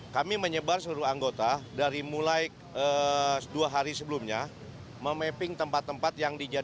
kami menyebar seluruh anggota dari mulai dua hari sebelumnya memapping tempat tempat yang dijadikan